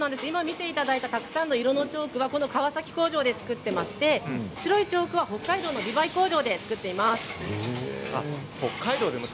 今見ていただいたたくさんの色のチョークは川崎工場で作っておりまして白いチョークは北海道の工場で作っています。